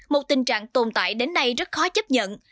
một tình trạng tồn tại đến nay rất khó chấp nhận